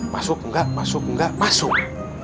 masuk enggak masuk enggak masuk